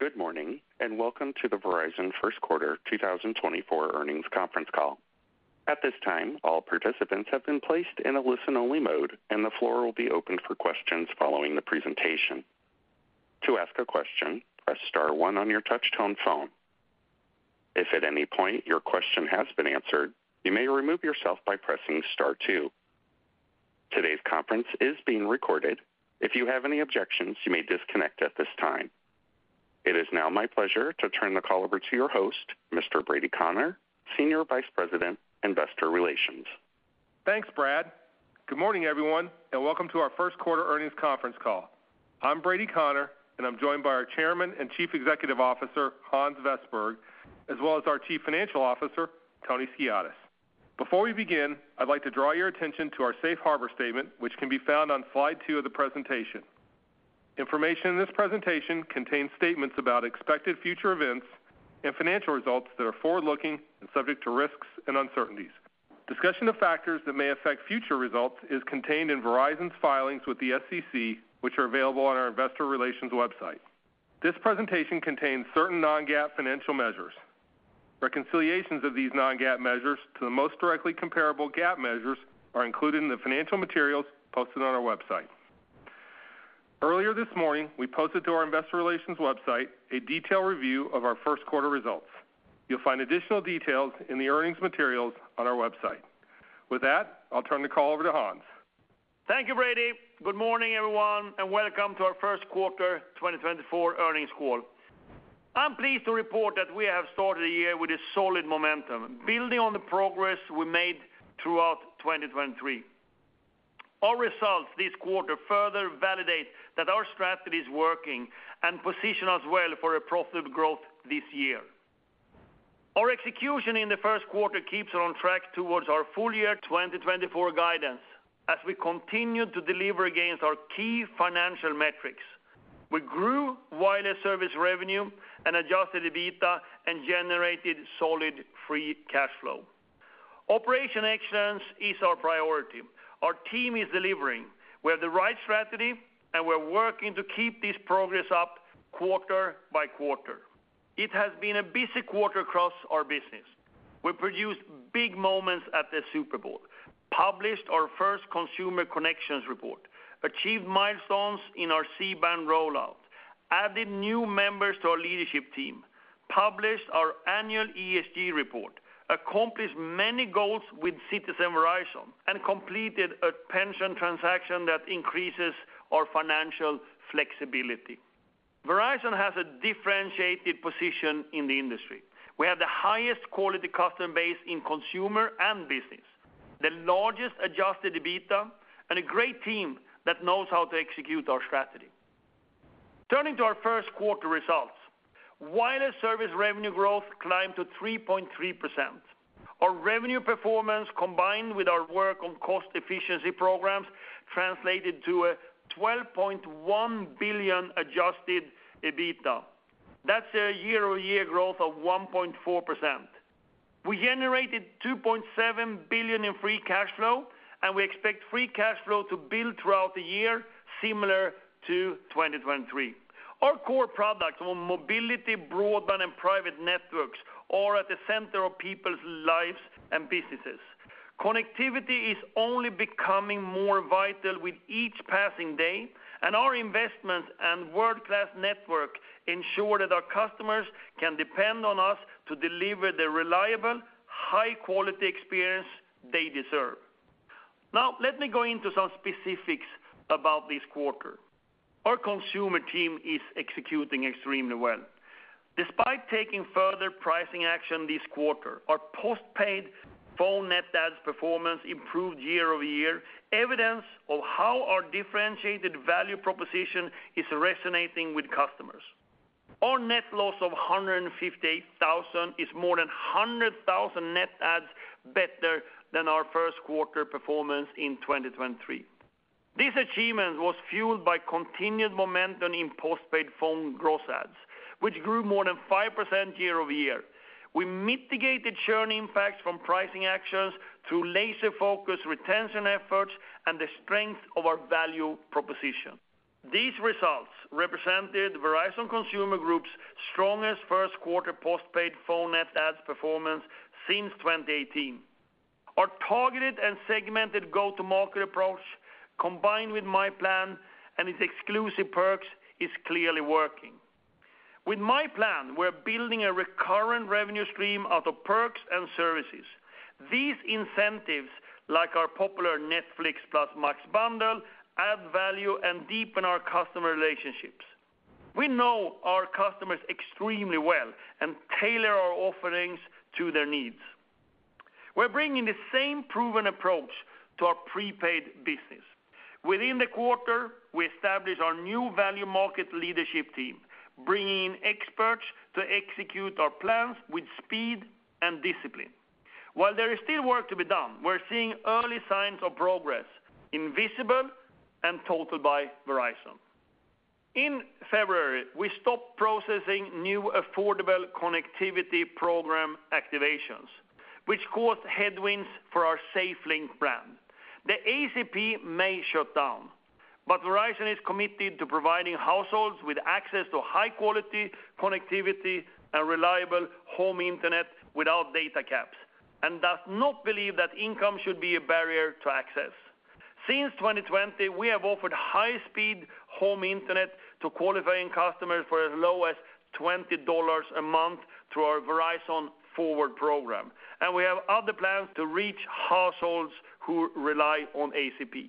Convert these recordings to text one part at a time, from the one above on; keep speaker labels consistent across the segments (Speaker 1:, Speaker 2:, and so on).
Speaker 1: Good morning, and welcome to the Verizon first quarter 2024 earnings conference call. At this time, all participants have been placed in a listen-only mode, and the floor will be open for questions following the presentation. To ask a question, press star one on your touchtone phone. If at any point your question has been answered, you may remove yourself by pressing star two. Today's conference is being recorded. If you have any objections, you may disconnect at this time. It is now my pleasure to turn the call over to your host, Mr. Brady Connor, Senior Vice President, Investor Relations.
Speaker 2: Thanks, Brad. Good morning, everyone, and welcome to our first quarter earnings conference call. I'm Brady Connor, and I'm joined by our Chairman and Chief Executive Officer, Hans Vestberg, as well as our Chief Financial Officer, Tony Sciarrotta. Before we begin, I'd like to draw your attention to our Safe Harbor statement, which can be found on slide two of the presentation. Information in this presentation contains statements about expected future events and financial results that are forward-looking and subject to risks and uncertainties. Discussion of factors that may affect future results is contained in Verizon's filings with the SEC, which are available on our investor relations website. This presentation contains certain non-GAAP financial measures. Reconciliations of these non-GAAP measures to the most directly comparable GAAP measures are included in the financial materials posted on our website. Earlier this morning, we posted to our investor relations website a detailed review of our first quarter results. You'll find additional details in the earnings materials on our website. With that, I'll turn the call over to Hans.
Speaker 3: Thank you, Brady. Good morning, everyone, and welcome to our first quarter 2024 earnings call. I'm pleased to report that we have started the year with a solid momentum, building on the progress we made throughout 2023. Our results this quarter further validate that our strategy is working and position us well for a profitable growth this year. Our execution in the first quarter keeps us on track towards our full year 2024 guidance as we continue to deliver against our key financial metrics. We grew wireless service revenue and Adjusted EBITDA and generated solid free cash flow. Operational excellence is our priority. Our team is delivering. We have the right strategy, and we're working to keep this progress up quarter by quarter. It has been a busy quarter across our business. We produced big moments at the Super Bowl, published our first Consumer Connections Report, achieved milestones in our C-band rollout, added new members to our leadership team, published our annual ESG report, accomplished many goals with Citizen Verizon, and completed a pension transaction that increases our financial flexibility. Verizon has a differentiated position in the industry. We have the highest quality customer base in consumer and business, the largest Adjusted EBITDA, and a great team that knows how to execute our strategy. Turning to our first quarter results, wireless service revenue growth climbed to 3.3%. Our revenue performance, combined with our work on cost efficiency programs, translated to a $12.1 billion Adjusted EBITDA. That's a year-over-year growth of 1.4%. We generated $2.7 billion in Free Cash Flow, and we expect Free Cash Flow to build throughout the year, similar to 2023. Our core products on mobility, broadband, and private networks are at the center of people's lives and businesses. Connectivity is only becoming more vital with each passing day, and our investments and world-class network ensure that our customers can depend on us to deliver the reliable, high-quality experience they deserve. Now, let me go into some specifics about this quarter. Our consumer team is executing extremely well. Despite taking further pricing action this quarter, our post-paid phone net adds performance improved year-over-year, evidence of how our differentiated value proposition is resonating with customers. Our net loss of 158,000 is more than 100,000 net adds better than our first quarter performance in 2023. This achievement was fueled by continued momentum in postpaid phone gross adds, which grew more than 5% year-over-year. We mitigated churning impacts from pricing actions through laser-focused retention efforts and the strength of our value proposition. These results represented Verizon Consumer Group's strongest first quarter postpaid phone net adds performance since 2018. Our targeted and segmented go-to-market approach, combined with myPlan and its exclusive perks, is clearly working. With myPlan, we're building a recurrent revenue stream out of perks and services. These incentives, like our popular Netflix plus Max bundle, add value and deepen our customer relationships. We know our customers extremely well and tailor our offerings to their needs. We're bringing the same proven approach to our prepaid business. Within the quarter, we established our new value market leadership team, bringing in experts to execute our plans with speed and discipline. While there is still work to be done, we're seeing early signs of progress, Visible and Total by Verizon. In February, we stopped processing new Affordable Connectivity Program activations, which caused headwinds for our SafeLink brand. The ACP may shut down, but Verizon is committed to providing households with access to high-quality connectivity and reliable home internet without data caps, and does not believe that income should be a barrier to access. Since 2020, we have offered high-speed home internet to qualifying customers for as low as $20 a month through our Verizon Forward program, and we have other plans to reach households who rely on ACP.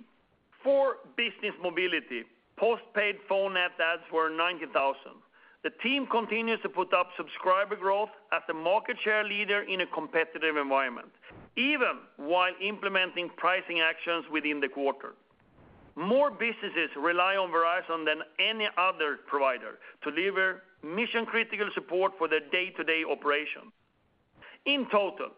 Speaker 3: For business mobility, postpaid phone net adds were 90,000. The team continues to put up subscriber growth as the market share leader in a competitive environment, even while implementing pricing actions within the quarter. More businesses rely on Verizon than any other provider to deliver mission-critical support for their day-to-day operation. In total,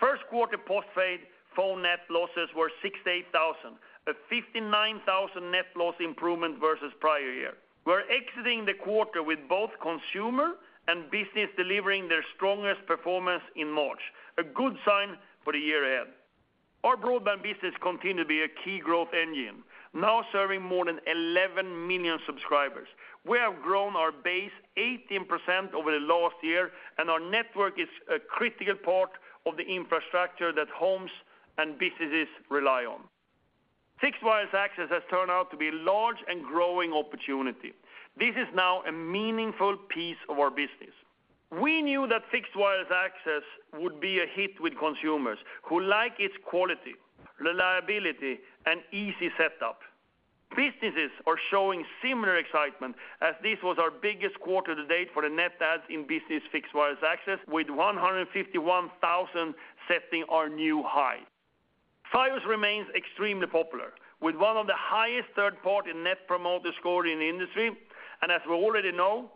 Speaker 3: first quarter postpaid phone net losses were 68,000, a 59,000 net loss improvement versus prior year. We're exiting the quarter with both consumer and business delivering their strongest performance in March, a good sign for the year ahead. Our broadband business continue to be a key growth engine, now serving more than 11 million subscribers. We have grown our base 18% over the last year, and our network is a critical part of the infrastructure that homes and businesses rely on. Fixed Wireless Access has turned out to be a large and growing opportunity. This is now a meaningful piece of our business. We knew that Fixed Wireless Access would be a hit with consumers, who like its quality, reliability, and easy setup. Businesses are showing similar excitement, as this was our biggest quarter to date for the net adds in business Fixed Wireless Access, with 151,000 setting our new high. Fios remains extremely popular, with one of the highest third-party Net Promoter Score in the industry, and as we already know,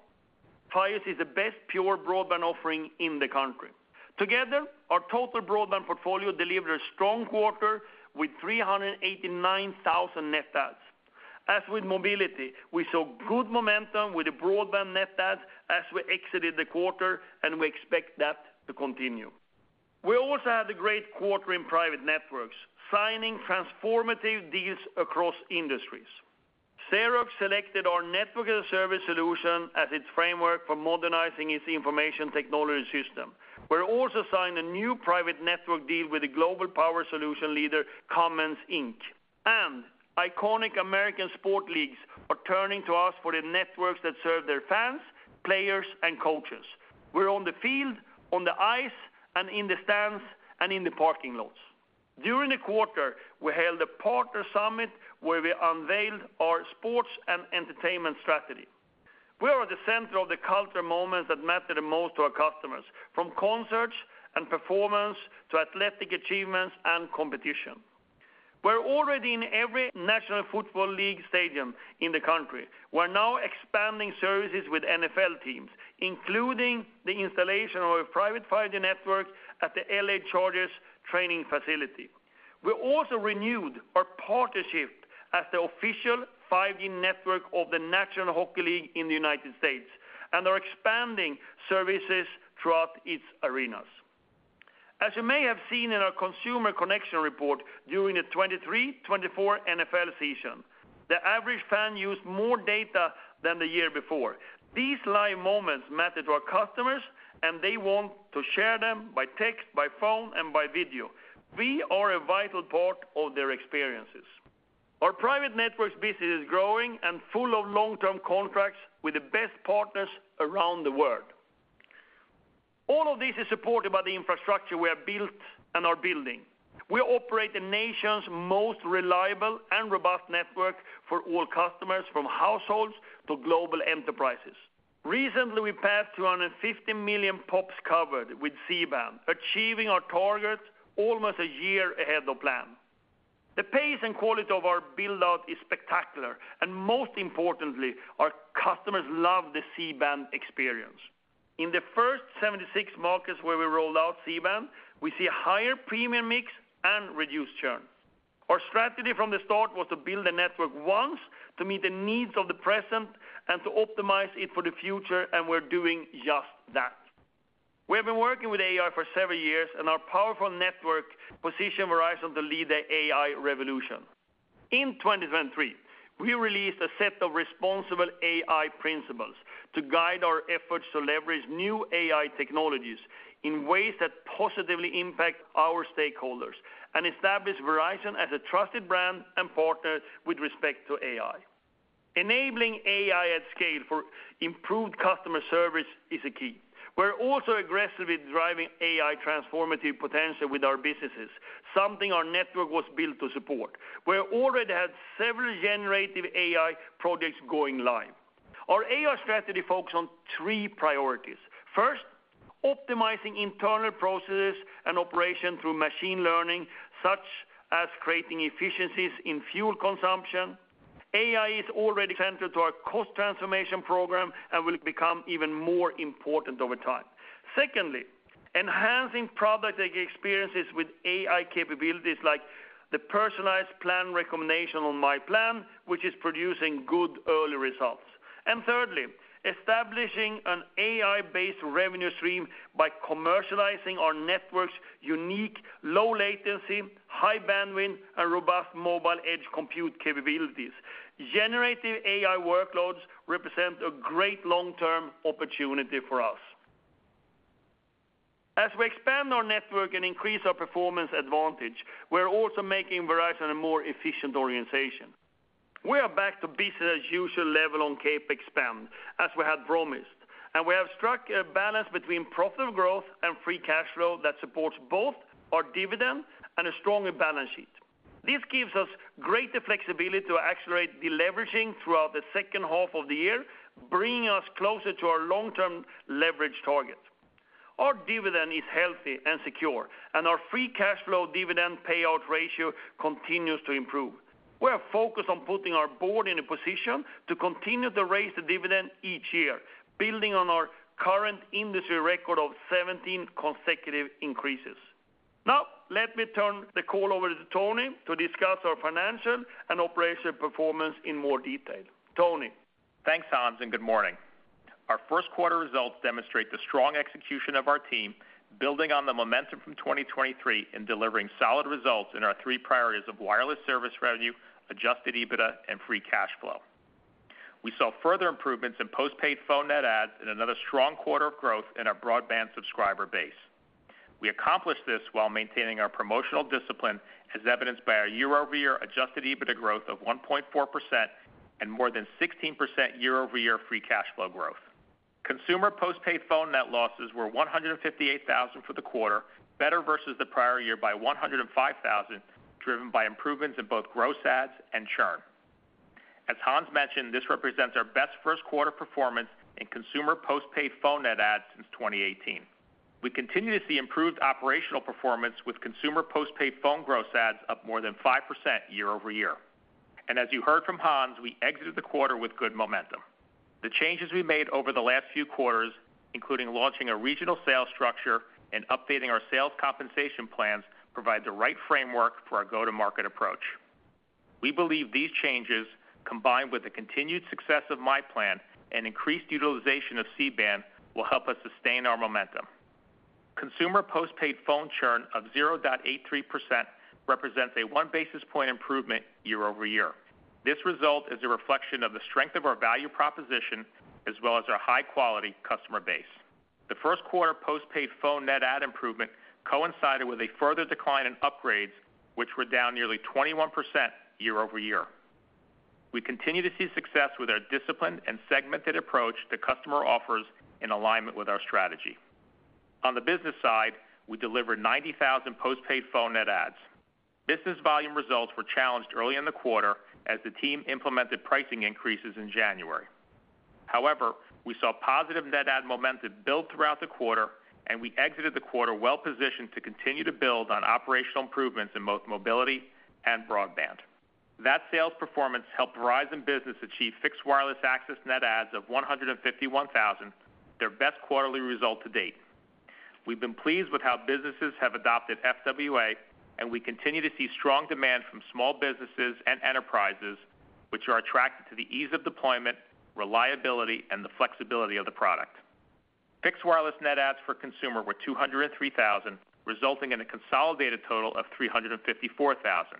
Speaker 3: Fios is the best pure broadband offering in the country. Together, our total broadband portfolio delivered a strong quarter with 389,000 net adds. As with mobility, we saw good momentum with the broadband net adds as we exited the quarter, and we expect that to continue. We also had a great quarter in private networks, signing transformative deals across industries. Xerox selected our network as a service solution as its framework for modernizing its information technology system. We also signed a new private network deal with the global power solution leader, Cummins Inc. Iconic American sports leagues are turning to us for the networks that serve their fans, players, and coaches. We're on the field, on the ice, and in the stands, and in the parking lots. During the quarter, we held a partner summit where we unveiled our sports and entertainment strategy. We are at the center of the culture moments that matter the most to our customers, from concerts and performance to athletic achievements and competition. We're already in every National Football League stadium in the country. We're now expanding services with NFL teams, including the installation of a private 5G network at the LA Chargers training facility. We also renewed our partnership as the official 5G network of the National Hockey League in the United States, and are expanding services throughout its arenas. As you may have seen in our consumer connection report, during the 2023-2024 NFL season, the average fan used more data than the year before. These live moments matter to our customers, and they want to share them by text, by phone, and by video. We are a vital part of their experiences. Our private networks business is growing and full of long-term contracts with the best partners around the world. All of this is supported by the infrastructure we have built and are building. We operate the nation's most reliable and robust network for all customers, from households to global enterprises. Recently, we passed 250 million POPs covered with C-Band, achieving our target almost a year ahead of plan. The pace and quality of our build-out is spectacular, and most importantly, our customers love the C-Band experience. In the first 76 markets where we rolled out C-Band, we see a higher premium mix and reduced churn. Our strategy from the start was to build a network once to meet the needs of the present and to optimize it for the future, and we're doing just that. We have been working with AI for several years, and our powerful network position Verizon to lead the AI revolution. In 2023, we released a set of responsible AI principles to guide our efforts to leverage new AI technologies in ways that positively impact our stakeholders and establish Verizon as a trusted brand and partner with respect to AI. Enabling AI at scale for improved customer service is a key. We're also aggressively driving AI transformative potential with our businesses, something our network was built to support. We're already at several generative AI projects going live. Our AI strategy focus on three priorities. First, optimizing internal processes and operation through machine learning, such as creating efficiencies in fuel consumption. AI is already central to our cost transformation program and will become even more important over time. Secondly, enhancing product experiences with AI capabilities like the personalized plan recommendation on myPlan, which is producing good early results. And thirdly, establishing an AI-based revenue stream by commercializing our network's unique low latency, high bandwidth, and robust Mobile Edge Compute capabilities. Generative AI workloads represent a great long-term opportunity for us. As we expand our network and increase our performance advantage, we're also making Verizon a more efficient organization. We are back to business as usual level on CapEx spend, as we had promised, and we have struck a balance between profitable growth and free cash flow that supports both our dividend and a stronger balance sheet. This gives us greater flexibility to accelerate deleveraging throughout the second half of the year, bringing us closer to our long-term leverage target. Our dividend is healthy and secure, and our free cash flow dividend payout ratio continues to improve. We are focused on putting our board in a position to continue to raise the dividend each year, building on our current industry record of 17 consecutive increases. Now, let me turn the call over to Tony to discuss our financial and operational performance in more detail. Tony?
Speaker 4: Thanks, Hans, and good morning. Our first quarter results demonstrate the strong execution of our team, building on the momentum from 2023 and delivering solid results in our three priorities of wireless service revenue, Adjusted EBITDA, and Free Cash Flow. We saw further improvements in postpaid phone net adds and another strong quarter of growth in our broadband subscriber base. We accomplished this while maintaining our promotional discipline, as evidenced by our year-over-year Adjusted EBITDA growth of 1.4% and more than 16% year-over-year Free Cash Flow growth. Consumer postpaid phone net losses were 158,000 for the quarter, better versus the prior year by 105,000, driven by improvements in both gross adds and churn. As Hans mentioned, this represents our best first quarter performance in consumer postpaid phone net adds since 2018. We continue to see improved operational performance, with consumer postpaid phone gross adds up more than 5% year-over-year. As you heard from Hans, we exited the quarter with good momentum. The changes we made over the last few quarters, including launching a regional sales structure and updating our sales compensation plans, provide the right framework for our go-to-market approach. We believe these changes, combined with the continued success of myPlan and increased utilization of C-Band, will help us sustain our momentum. Consumer postpaid phone churn of 0.83% represents a one basis point improvement year-over-year. This result is a reflection of the strength of our value proposition, as well as our high-quality customer base. The first quarter postpaid phone net add improvement coincided with a further decline in upgrades, which were down nearly 21% year-over-year. We continue to see success with our disciplined and segmented approach to customer offers in alignment with our strategy. On the business side, we delivered 90,000 postpaid phone net adds. Business volume results were challenged early in the quarter as the team implemented pricing increases in January. However, we saw positive net add momentum build throughout the quarter, and we exited the quarter well positioned to continue to build on operational improvements in both mobility and broadband. That sales performance helped Verizon Business achieve fixed wireless access net adds of 151,000, their best quarterly result to date. We've been pleased with how businesses have adopted FWA, and we continue to see strong demand from small businesses and enterprises, which are attracted to the ease of deployment, reliability, and the flexibility of the product. Fixed wireless net adds for consumer were 203,000, resulting in a consolidated total of 354,000.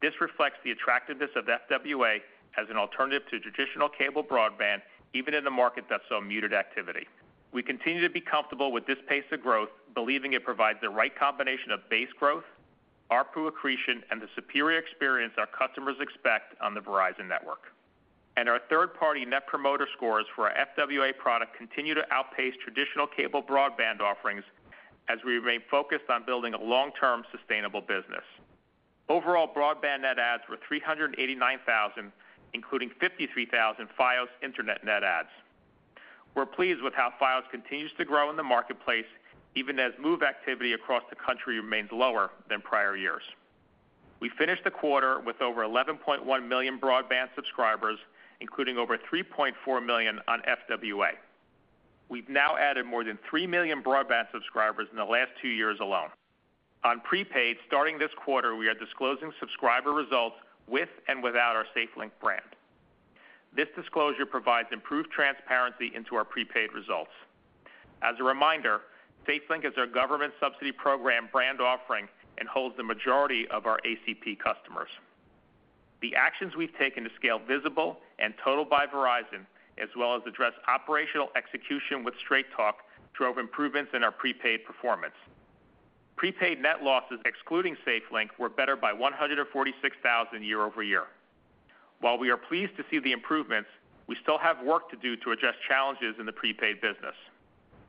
Speaker 4: This reflects the attractiveness of FWA as an alternative to traditional cable broadband, even in a market that saw muted activity. We continue to be comfortable with this pace of growth, believing it provides the right combination of base growth, ARPU accretion, and the superior experience our customers expect on the Verizon network. Our third-party net promoter scores for our FWA product continue to outpace traditional cable broadband offerings as we remain focused on building a long-term, sustainable business. Overall, broadband net adds were 389,000, including 53,000 Fios Internet net adds. We're pleased with how Fios continues to grow in the marketplace, even as move activity across the country remains lower than prior years. We finished the quarter with over 11.1 million broadband subscribers, including over 3.4 million on FWA. We've now added more than 3 million broadband subscribers in the last 2 years alone. On prepaid, starting this quarter, we are disclosing subscriber results with and without our SafeLink brand. This disclosure provides improved transparency into our prepaid results. As a reminder, SafeLink is our government subsidy program brand offering and holds the majority of our ACP customers. The actions we've taken to scale Visible and Total by Verizon, as well as address operational execution with Straight Talk, drove improvements in our prepaid performance. Prepaid net losses, excluding SafeLink, were better by 146,000 year-over-year. While we are pleased to see the improvements, we still have work to do to address challenges in the prepaid business.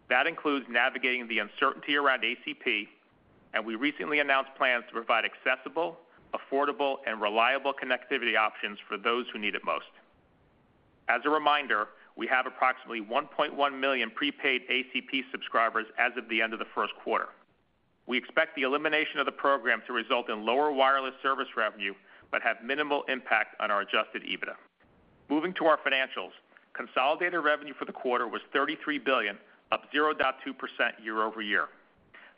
Speaker 4: That includes navigating the uncertainty around ACP, and we recently announced plans to provide accessible, affordable, and reliable connectivity options for those who need it most. As a reminder, we have approximately 1.1 million prepaid ACP subscribers as of the end of the first quarter. We expect the elimination of the program to result in lower wireless service revenue, but have minimal impact on our Adjusted EBITDA. Moving to our financials, consolidated revenue for the quarter was $33 billion, up 0.2% year-over-year.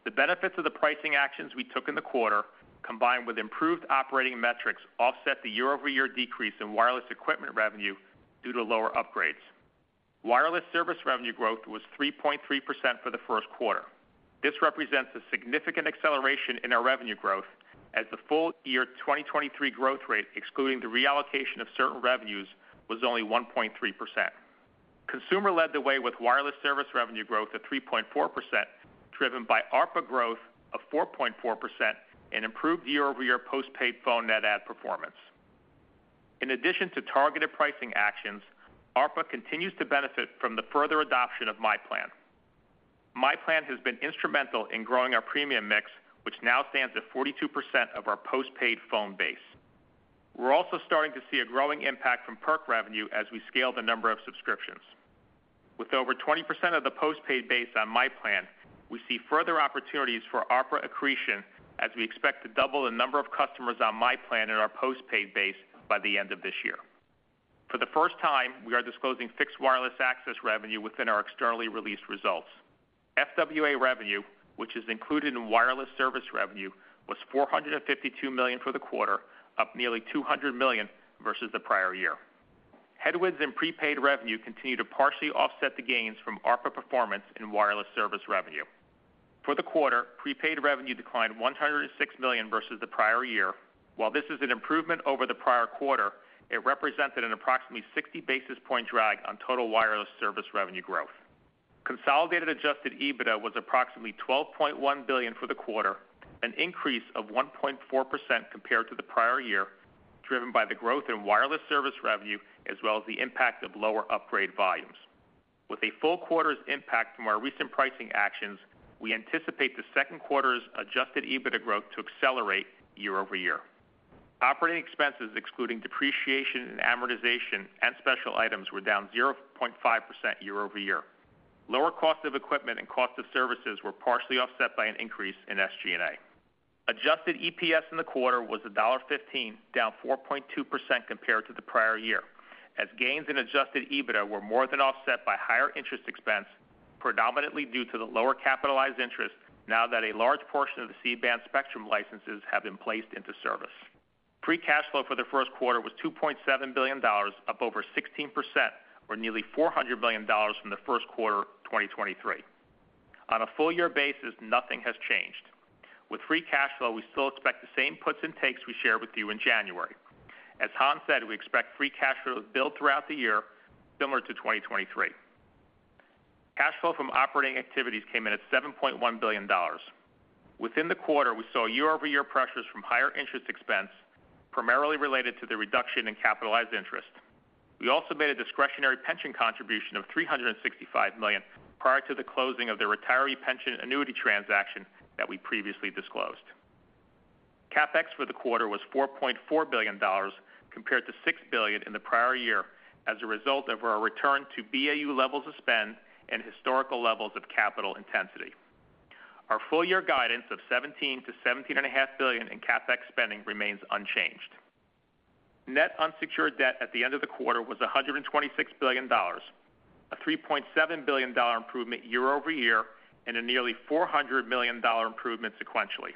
Speaker 4: The benefits of the pricing actions we took in the quarter, combined with improved operating metrics, offset the year-over-year decrease in wireless equipment revenue due to lower upgrades. Wireless service revenue growth was 3.3% for the first quarter. This represents a significant acceleration in our revenue growth as the full year 2023 growth rate, excluding the reallocation of certain revenues, was only 1.3%. Consumer led the way with wireless service revenue growth of 3.4%, driven by ARPA growth of 4.4% and improved year-over-year postpaid phone net add performance. In addition to targeted pricing actions, ARPA continues to benefit from the further adoption of myPlan. myPlan has been instrumental in growing our premium mix, which now stands at 42% of our postpaid phone base. We're also starting to see a growing impact from perk revenue as we scale the number of subscriptions. With over 20% of the postpaid base on myPlan, we see further opportunities for ARPA accretion, as we expect to double the number of customers on myPlan in our postpaid base by the end of this year. For the first time, we are disclosing fixed wireless access revenue within our externally released results. FWA revenue, which is included in wireless service revenue, was $452 million for the quarter, up nearly $200 million versus the prior year. Headwinds in prepaid revenue continue to partially offset the gains from ARPA performance in wireless service revenue. For the quarter, prepaid revenue declined $106 million versus the prior year. While this is an improvement over the prior quarter, it represented an approximately 60 basis points drag on total wireless service revenue growth. Consolidated adjusted EBITDA was approximately $12.1 billion for the quarter, an increase of 1.4% compared to the prior year, driven by the growth in wireless service revenue, as well as the impact of lower upgrade volumes. With a full quarter's impact from our recent pricing actions, we anticipate the second quarter's adjusted EBITDA growth to accelerate year-over-year. Operating expenses, excluding depreciation and amortization and special items, were down 0.5% year-over-year. Lower cost of equipment and cost of services were partially offset by an increase in SG&A. Adjusted EPS in the quarter was $1.15, down 4.2% compared to the prior year, as gains in adjusted EBITDA were more than offset by higher interest expense, predominantly due to the lower capitalized interest now that a large portion of the C-Band spectrum licenses have been placed into service. Free cash flow for the first quarter was $2.7 billion, up over 16%, or nearly $400 million from the first quarter of 2023. On a full year basis, nothing has changed. With free cash flow, we still expect the same puts and takes we shared with you in January. As Hans said, we expect free cash flow to build throughout the year, similar to 2023. Cash flow from operating activities came in at $7.1 billion. Within the quarter, we saw year-over-year pressures from higher interest expense, primarily related to the reduction in capitalized interest. We also made a discretionary pension contribution of $365 million prior to the closing of the retiree pension annuity transaction that we previously disclosed. CapEx for the quarter was $4.4 billion, compared to $6 billion in the prior year, as a result of our return to BAU levels of spend and historical levels of capital intensity. Our full year guidance of $17 billion-$17.5 billion in CapEx spending remains unchanged. Net unsecured debt at the end of the quarter was $126 billion, a $3.7 billion improvement year-over-year, and a nearly $400 million improvement sequentially.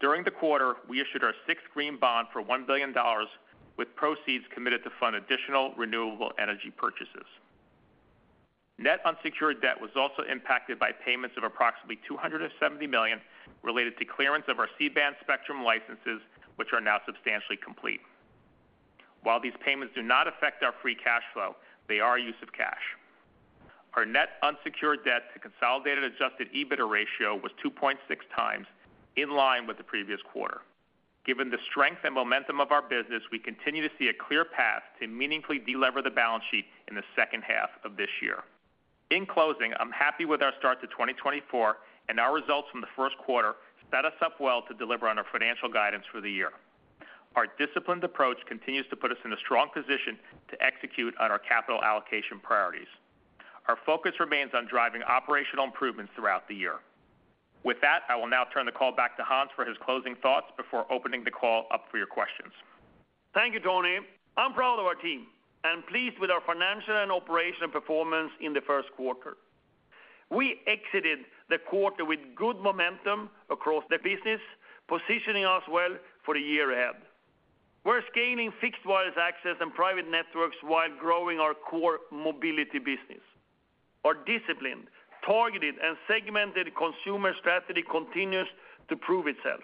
Speaker 4: During the quarter, we issued our sixth green bond for $1 billion, with proceeds committed to fund additional renewable energy purchases. Net unsecured debt was also impacted by payments of approximately $270 million, related to clearance of our C-band spectrum licenses, which are now substantially complete. While these payments do not affect our Free Cash Flow, they are a use of cash. Our net unsecured debt to consolidated Adjusted EBITDA ratio was 2.6x, in line with the previous quarter. Given the strength and momentum of our business, we continue to see a clear path to meaningfully delever the balance sheet in the second half of this year. In closing, I'm happy with our start to 2024, and our results from the first quarter set us up well to deliver on our financial guidance for the year. Our disciplined approach continues to put us in a strong position to execute on our capital allocation priorities. Our focus remains on driving operational improvements throughout the year. With that, I will now turn the call back to Hans for his closing thoughts before opening the call up for your questions.
Speaker 3: Thank you, Tony. I'm proud of our team and pleased with our financial and operational performance in the first quarter. We exited the quarter with good momentum across the business, positioning us well for the year ahead. We're scaling fixed wireless access and private networks while growing our core mobility business. Our disciplined, targeted, and segmented consumer strategy continues to prove itself,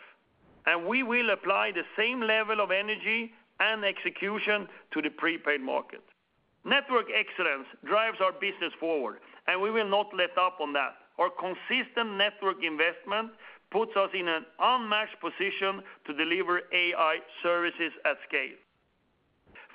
Speaker 3: and we will apply the same level of energy and execution to the prepaid market. Network excellence drives our business forward, and we will not let up on that. Our consistent network investment puts us in an unmatched position to deliver AI services at scale.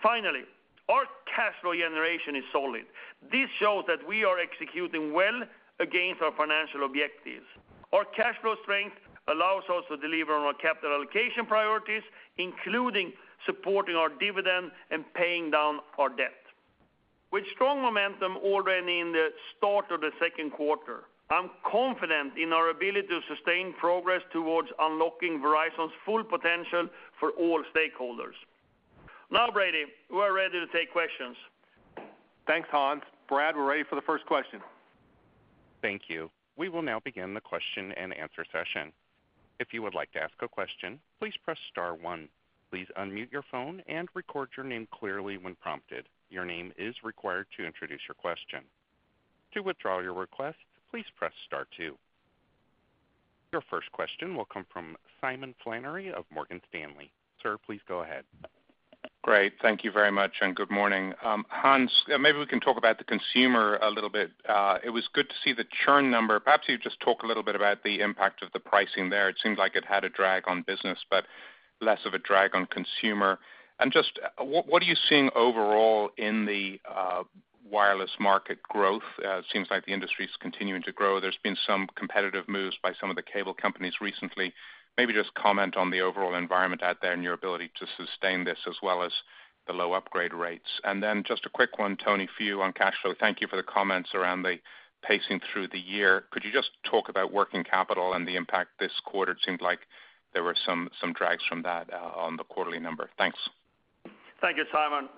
Speaker 3: Finally, our cash flow generation is solid. This shows that we are executing well against our financial objectives. Our cash flow strength allows us to deliver on our capital allocation priorities, including supporting our dividend and paying down our debt. With strong momentum already in the start of the second quarter, I'm confident in our ability to sustain progress towards unlocking Verizon's full potential for all stakeholders. Now, Brady, we are ready to take questions....
Speaker 2: Thanks, Hans. Brad, we're ready for the first question.
Speaker 1: Thank you. We will now begin the question-and-answer session. If you would like to ask a question, please press star one. Please unmute your phone and record your name clearly when prompted. Your name is required to introduce your question. To withdraw your request, please press star two. Your first question will come from Simon Flannery of Morgan Stanley. Sir, please go ahead.
Speaker 5: Great. Thank you very much, and good morning. Hans, maybe we can talk about the consumer a little bit. It was good to see the churn number. Perhaps you just talk a little bit about the impact of the pricing there. It seemed like it had a drag on business, but less of a drag on consumer. And just, what are you seeing overall in the wireless market growth? It seems like the industry is continuing to grow. There's been some competitive moves by some of the cable companies recently. Maybe just comment on the overall environment out there and your ability to sustain this, as well as the low upgrade rates. And then just a quick one, Tony, for you on cash flow. Thank you for the comments around the pacing through the year. Could you just talk about working capital and the impact this quarter? It seemed like there were some drags from that on the quarterly number. Thanks.
Speaker 3: Thank you, Simon.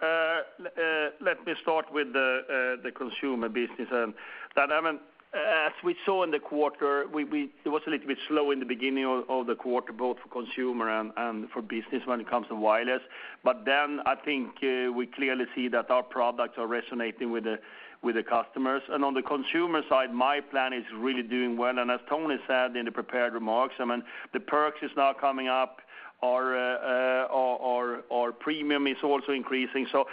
Speaker 3: Let me start with the consumer business. That, I mean, as we saw in the quarter, it was a little bit slow in the beginning of the quarter, both for consumer and for business when it comes to wireless. But then I think we clearly see that our products are resonating with the customers. On the consumer side, myPlan is really doing well, and as Tony said in the prepared remarks, I mean, the perks is now coming up. Our premium is also increasing. So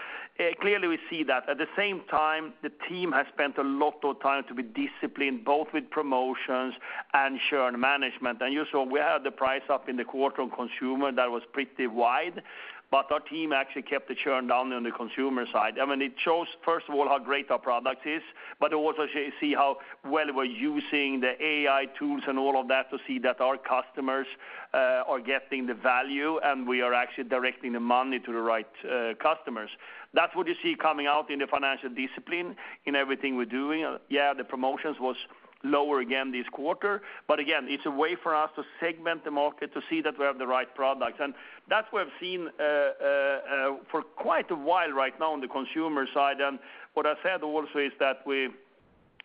Speaker 3: clearly, we see that. At the same time, the team has spent a lot of time to be disciplined, both with promotions and churn management. You saw, we had the price up in the quarter on consumer, that was pretty wide, but our team actually kept the churn down on the consumer side. I mean, it shows, first of all, how great our product is, but also see how well we're using the AI tools and all of that to see that our customers are getting the value, and we are actually directing the money to the right customers. That's what you see coming out in the financial discipline, in everything we're doing. Yeah, the promotions was lower again this quarter, but again, it's a way for us to segment the market to see that we have the right product. And that's what I've seen for quite a while right now on the consumer side. What I said also is that we,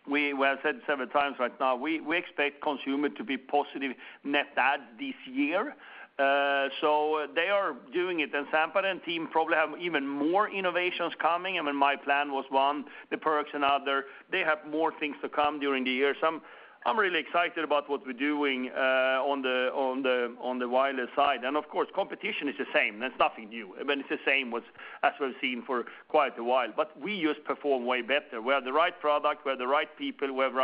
Speaker 3: well, I said several times right now, we expect consumer to be positive net add this year. So they are doing it, and Sampath and team probably have even more innovations coming. I mean, myPlan was one, the perks another. They have more things to come during the year. So I'm really excited about what we're doing on the wireless side. And of course, competition is the same. There's nothing new. I mean, it's the same as we've seen for quite a while, but we just perform way better. We have the right product, we have the right people, we have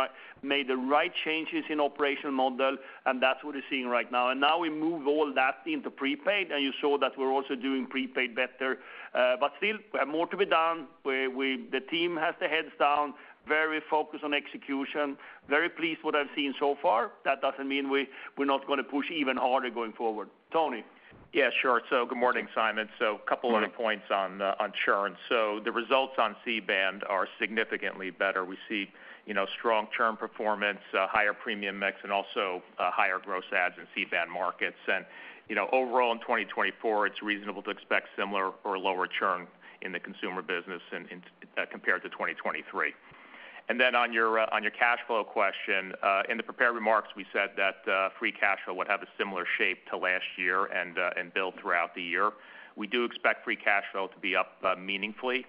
Speaker 3: made the right changes in operational model, and that's what we're seeing right now. And now we move all that into prepaid, and you saw that we're also doing prepaid better. But still, we have more to be done. We, the team has their heads down, very focused on execution, very pleased what I've seen so far. That doesn't mean we're not gonna push even harder going forward. Tony?
Speaker 4: Yeah, sure. So good morning, Simon. So a couple other points on on churn. So the results on C-Band are significantly better. We see, you know, strong churn performance, higher premium mix, and also, higher gross adds in C-Band markets. And, you know, overall, in 2024, it's reasonable to expect similar or lower churn in the consumer business in, in, compared to 2023. And then on your, on your cash flow question, in the prepared remarks, we said that, Free Cash Flow would have a similar shape to last year and, and build throughout the year. We do expect Free Cash Flow to be up, meaningfully,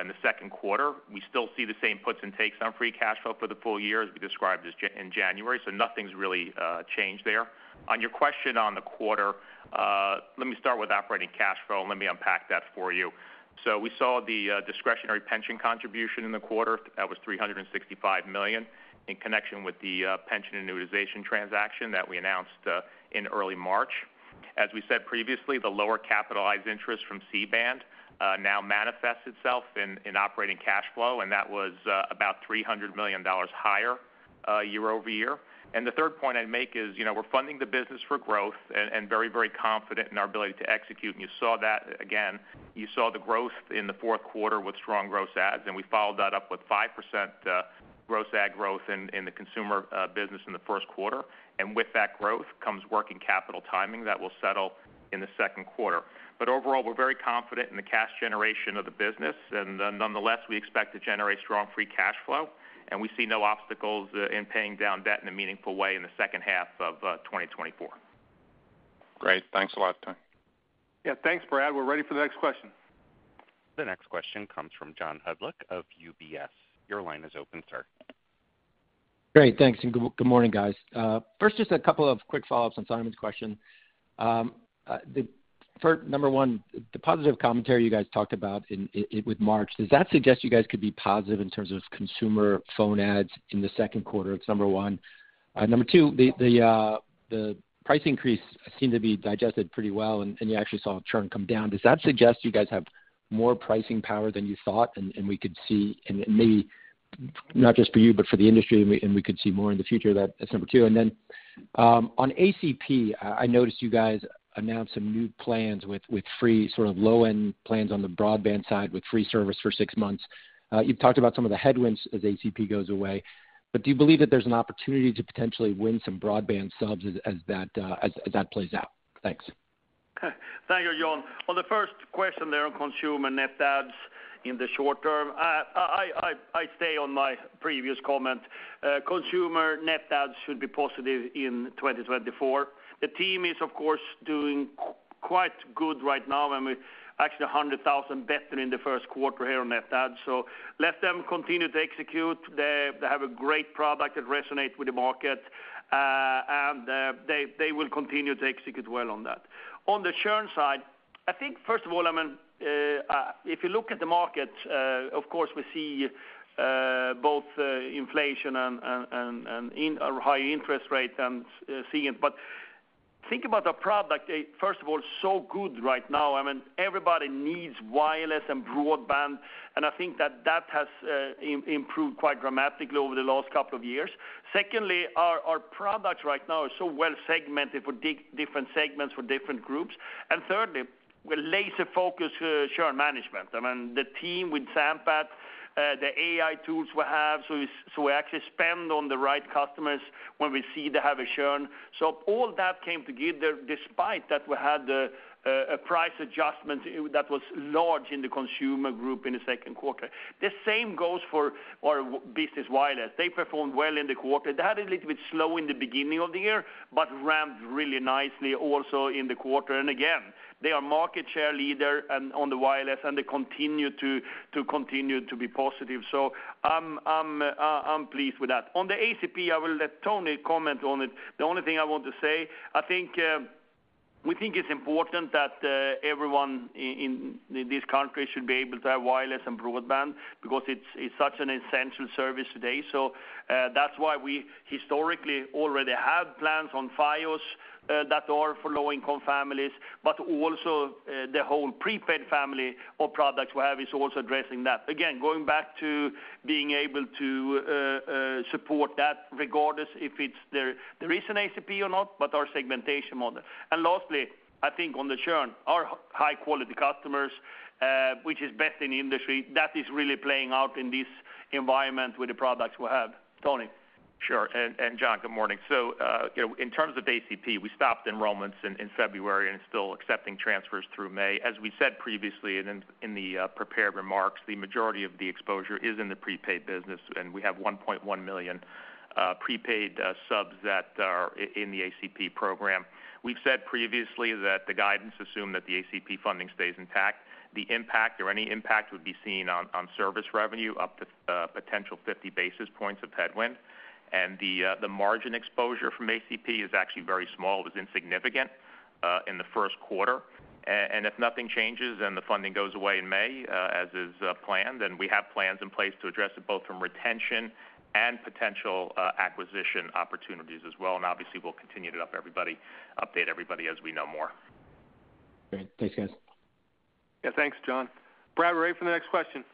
Speaker 4: in the second quarter. We still see the same puts and takes on free cash flow for the full year, as we described in January, so nothing's really changed there. On your question on the quarter, let me start with operating cash flow, and let me unpack that for you. So we saw the discretionary pension contribution in the quarter. That was $365 million, in connection with the pension annuitization transaction that we announced in early March. As we said previously, the lower capitalized interest from C-Band now manifests itself in operating cash flow, and that was about $300 million higher year-over-year. And the third point I'd make is, you know, we're funding the business for growth and very, very confident in our ability to execute. And you saw that again, you saw the growth in the fourth quarter with strong growth adds, and we followed that up with 5% gross add growth in the consumer business in the first quarter. And with that growth comes working capital timing that will settle in the second quarter. But overall, we're very confident in the cash generation of the business, and then nonetheless, we expect to generate strong free cash flow, and we see no obstacles in paying down debt in a meaningful way in the second half of 2024.
Speaker 5: Great. Thanks a lot, Tony.
Speaker 2: Yeah, thanks, Brad. We're ready for the next question.
Speaker 1: The next question comes from John Hodulik of UBS. Your line is open, sir.
Speaker 6: Great. Thanks, and good, good morning, guys. First, just a couple of quick follow-ups on Simon's question. For number one, the positive commentary you guys talked about with March, does that suggest you guys could be positive in terms of consumer phone adds in the second quarter? It's number one. Number two, the price increase seemed to be digested pretty well, and you actually saw churn come down. Does that suggest you guys have more pricing power than you thought, and we could see, and maybe not just for you, but for the industry, and we could see more in the future? That's number two. On ACP, I noticed you guys announced some new plans with free, sort of, low-end plans on the broadband side, with free service for six months. You've talked about some of the headwinds as ACP goes away, but do you believe that there's an opportunity to potentially win some broadband subs as that plays out? Thanks.
Speaker 3: Thank you, John. On the first question there on consumer net adds in the short term, I stay on my previous comment. Consumer net adds should be positive in 2024. The team is, of course, doing quite good right now, and we're actually 100,000 better in the first quarter here on net adds. So let them continue to execute. They have a great product that resonates with the market, and they will continue to execute well on that. On the churn side, I think, first of all, I mean, if you look at the market, of course, we see both inflation and in a high interest rate and see it. But think about the product, first of all, so good right now. I mean, everybody needs wireless and broadband, and I think that that has improved quite dramatically over the last couple of years. Secondly, our products right now are so well segmented for different segments, for different groups. And thirdly, we're laser-focused to churn management. I mean, the team with Sampath, the AI tools we have, so, so we actually spend on the right customers when we see they have a churn. So all that came together, despite that we had a price adjustment that was large in the consumer group in the second quarter. The same goes for our business wireless. They performed well in the quarter. They had a little bit slow in the beginning of the year, but ramped really nicely also in the quarter. Again, they are market share leader and on the wireless, and they continue to be positive. So I'm pleased with that. On the ACP, I will let Tony comment on it. The only thing I want to say, I think, we think it's important that everyone in this country should be able to have wireless and broadband because it's such an essential service today. So, that's why we historically already have plans on file that are for low-income families, but also, the whole prepaid family of products we have is also addressing that. Again, going back to being able to support that, regardless if it's there, there is an ACP or not, but our segmentation model. Lastly, I think on the churn, our high quality customers, which is best in the industry, that is really playing out in this environment with the products we have. Tony?
Speaker 4: Sure. And John, good morning. So, you know, in terms of ACP, we stopped enrollments in February and still accepting transfers through May. As we said previously, and in the prepared remarks, the majority of the exposure is in the prepaid business, and we have 1.1 million prepaid subs that are in the ACP program. We've said previously that the guidance assumed that the ACP funding stays intact. The impact or any impact would be seen on service revenue, up to potential 50 basis points of headwind. And the margin exposure from ACP is actually very small. It was insignificant in the first quarter. If nothing changes, and the funding goes away in May, as is planned, then we have plans in place to address it, both from retention and potential acquisition opportunities as well. Obviously, we'll continue to update everybody as we know more.
Speaker 6: Great. Thanks, guys.
Speaker 3: Yeah, thanks, John. Brad, we're ready for the next question.